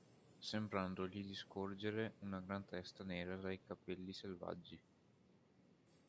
Sembrandogli di scorgere una gran testa nera dai capelli selvaggi.